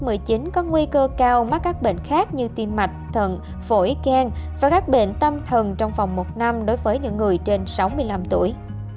covid một mươi chín có nguy cơ cao mắc các bệnh khác như tim mạch thận phổi ken và các bệnh tâm thần trong vòng một năm đối với những người trên sáu mươi năm tuổi